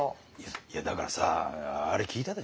いやだからさあれ聞いたでしょ？